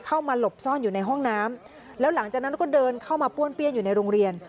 หลบซ่อนอยู่ในห้องน้ำแล้วหลังจากนั้นก็เดินเข้ามาป้วนเปี้ยนอยู่ในโรงเรียน